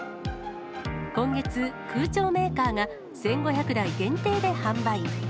今月、空調メーカーが１５００台限定で販売。